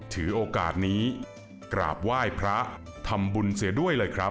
ถือโอกาสนี้กราบไหว้พระทำบุญเสียด้วยเลยครับ